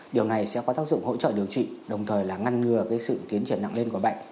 điều này sẽ có tác dụng hỗ trợ điều trị đồng thời là ngăn ngừa sự tiến triển nặng lên của bệnh